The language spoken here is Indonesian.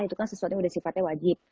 itu kan sesuatu yang sudah sifatnya wajib